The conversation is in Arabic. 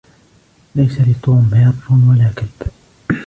ليس لتوم هرّ ولا كلب.